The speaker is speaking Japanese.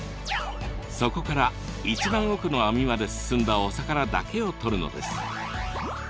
そこから一番奥の網まで進んだお魚だけをとるのです。